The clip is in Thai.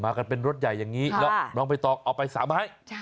มากันเป็นรถใหญ่อย่างนี้แล้วน้องไปต่อออกไปสามไม้